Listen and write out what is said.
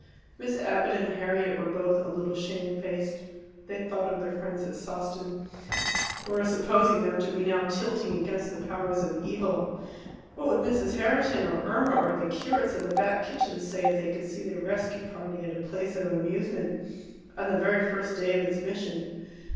Miss Abbott and Harriet were both a little shame faced. They thought of their friends at Sawston, who were supposing them to be now tilting against the powers of evil. What would Mrs. Herriton, or Irma, or the curates at the Back Kitchen say if they could see the rescue party at a place of amusement on the very first day of its mission?